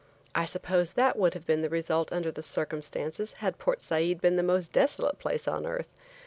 I suppose that would have been the result under the circumstances had Port Said been the most desolate place on earth.